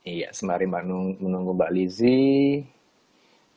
iya sembari menunggu mbak lizzie